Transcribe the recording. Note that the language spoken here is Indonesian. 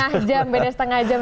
setengah jam beda setengah jam